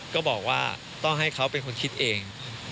ก็บอกว่าต้องให้เขาเป็นคนคิดเอง